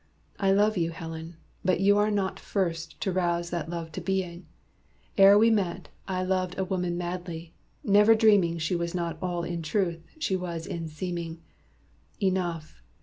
I love you, Helen, but you are not first To rouse that love to being. Ere we met I loved a woman madly never dreaming She was not all in truth she was in seeming. Enough!